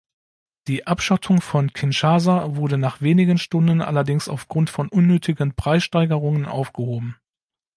Die Abschottung von Kinshasa wurde nach wenigen Stunden allerdings aufgrund von „unnötigen“ Preissteigerungen aufgehoben.